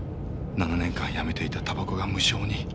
７年間やめていたたばこが無性に。